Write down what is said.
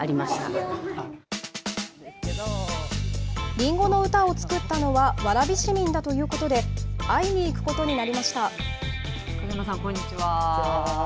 りんごの歌を作ったのは、蕨市民だということで、会いに行くことになりました。